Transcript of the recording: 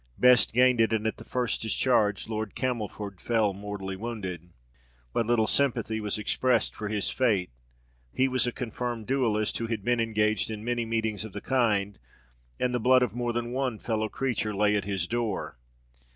Best gained it, and at the first discharge, Lord Camelford fell mortally wounded. But little sympathy was expressed for his fate; he was a confirmed duellist, had been engaged in many meetings of the kind, and the blood of more than one fellow creature lay at his door.